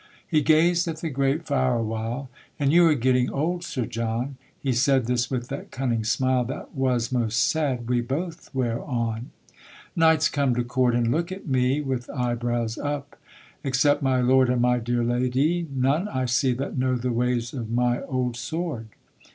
He gazed at the great fire awhile: And you are getting old, Sir John; (He said this with that cunning smile That was most sad) we both wear on; Knights come to court and look at me, With eyebrows up; except my lord, And my dear lady, none I see That know the ways of my old sword.